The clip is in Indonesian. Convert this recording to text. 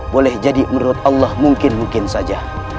boleh jadi menurut allah mungkin mungkin saja